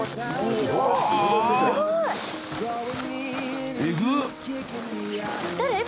すごい！［えぐっ！］